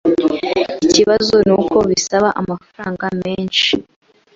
Ikibazo nuko bisaba amafaranga menshi.